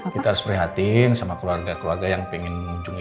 kita harus prihatin sama keluarga keluarga yang pengen kunjungi